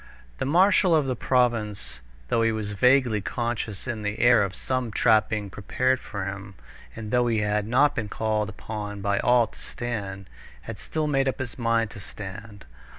The marshal of the province, though he was vaguely conscious in the air of some trap being prepared for him, and though he had not been called upon by all to stand, had still made up his mind to stand.